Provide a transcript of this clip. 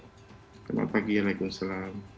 selamat pagi waalaikumsalam